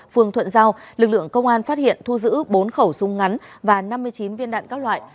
phường thuận giao lực lượng công an phát hiện thu giữ bốn khẩu súng ngắn và năm mươi chín viên đạn các loại